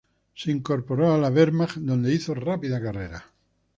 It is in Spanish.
Se incorporó a la Wehrmacht donde hizo rápida carrera.